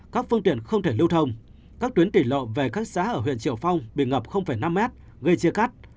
các phương tiện không thể lưu thông các tuyến tỉ lộ về các xã ở huyện triệu phong bị ngập năm m gây chia cắt